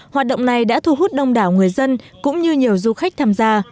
hoạt động này đã thu hút đông đảo người dân cũng như nhiều du khách tham gia